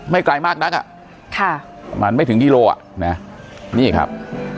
ไม่ไกลมากนักอ่ะค่ะมันไม่ถึงยี่โลอ่ะเนี้ยนี่ครับ